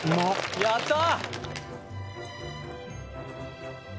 やったー！